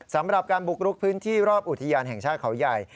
สำหรับการบุกรุกพื้นที่รอบอุทยานแห่งชาติเขาใหญ่